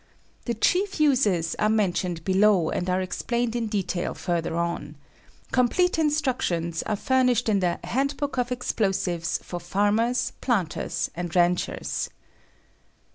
The chief uses are mentioned below and are explained in detail further on. Complete instructions are furnished in the "Handbook of Explosives for Farmers, Planters and Ranchers."